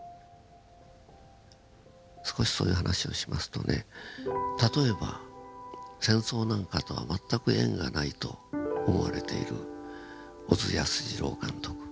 少しそういう話をしますとね例えば戦争なんかとは全く縁がないと思われている小津安二郎監督。